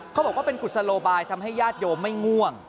เขาบอกว่าเป็นกุศโลบายทำให้ญาติโยมไม่ง่วง